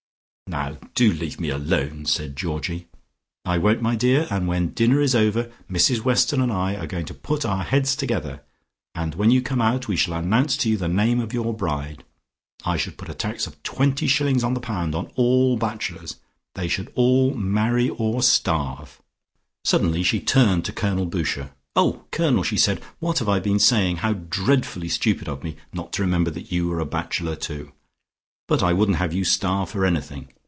"Now do leave me alone," said Georgie. "I won't, my dear, and when dinner is over Mrs Weston and I are going to put our heads together, and when you come out we shall announce to you the name of your bride. I should put a tax of twenty shillings on the pound on all bachelors; they should all marry or starve." Suddenly she turned to Colonel Boucher. "Oh, Colonel," she said. "What have I been saying? How dreadfully stupid of me not to remember that you were a bachelor too. But I wouldn't have you starve for anything.